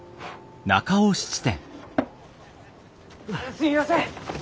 すみません！